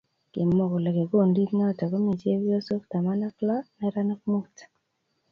Kimw kole kikundit noto komii chepyosoo taman ak look, neranik muut